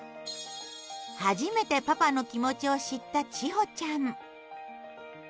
初めてパパの気持ちを知った千穂ちゃん。